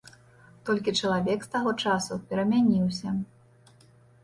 Толькі чалавек з таго часу перамяніўся.